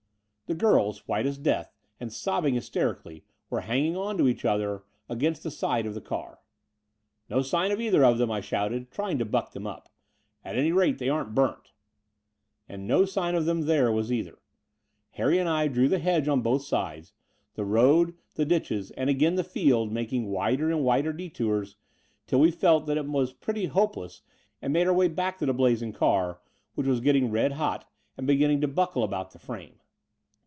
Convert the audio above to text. The girls, white as death and sobbing hys terically, were hanging on to each other against the side of the car. No sign of either of them," I shouted, tr3nng to buck them up At any rate they aren't burnt." And no sign of them there was either. Harry and I drew the hedge on both sides, the road, the ditches, and again the field, making wider and wider detours, till we felt that it was pretty hope less and made our way back to the blazing car, which was getting red hot and beginning to buckle about the frame.